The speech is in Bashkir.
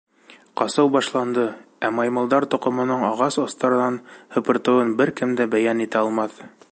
Ҡасыу башланды, ә Маймылдар Тоҡомоноң ағас остарынан һыпыртыуын бер кем дә бәйән итә алмаҫ.